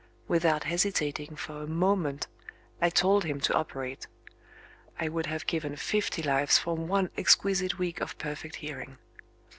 Without hesitating for a moment, I told him to operate. I would have given fifty lives for one exquisite week of perfect hearing.